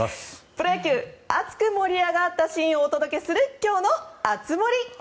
プロ野球熱く盛り上がったシーンをお届けする今日の熱盛！